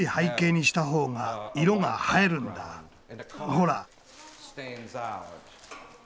ほら。